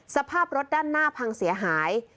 สภาพรถด้านหน้าพังเสียหาย